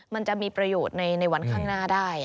มันจะมีประโยชน์ในวันข้างหน้าได้